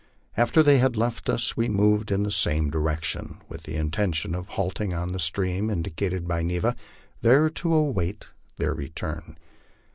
After they had left us we moved in the same direction, with the intention of halting on the stream indicated by Neva, there to await their return.